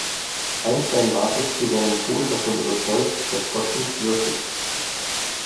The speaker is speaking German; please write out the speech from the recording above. Einstein war bis zu seinem Tode davon überzeugt, dass Gott nicht würfelt.